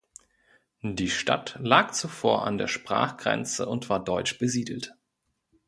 Die Stadt lag zuvor an der Sprachgrenze und war deutsch besiedelt.